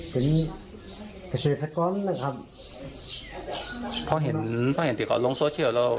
เป็นเกษตรกรนะครับพ่อเห็นพ่อเห็นติดกอดลงโซเชียลแล้ว